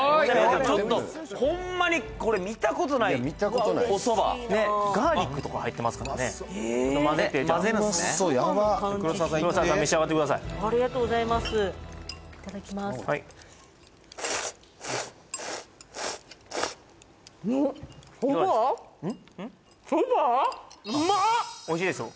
ちょっといや見たことないガーリックとか入ってますからね・混ぜるんすねうまそうやばっ黒沢さん召し上がってくださいありがとうございますいただきますおいしいでしょ？